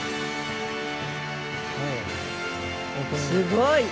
すごい。